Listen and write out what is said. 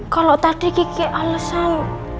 kalau tadi kiki alesan